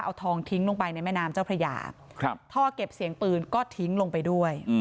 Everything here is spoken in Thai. เอาทองทิ้งลงไปในแม่น้ำเจ้าพระยาท่อเก็บเสียงปืนก็ทิ้งลงไปด้วย